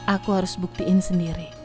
aku harus buktiin sendiri